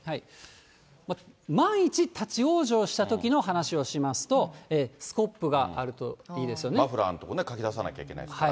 万一立往生したときの話をしますと、マフラーのとこ、かき出さなきゃいけないですから。